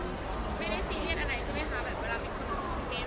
ไม่ได้สีเห็นอันไหนใช่ไหมคะ